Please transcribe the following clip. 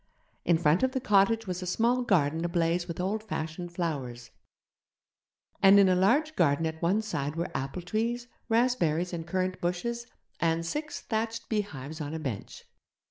In front of the cottage was a small garden ablaze with old fashioned flowers; and in a large garden at one side were apple trees, raspberry and currant bushes, and six thatched beehives on a bench.